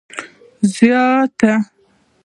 زیاته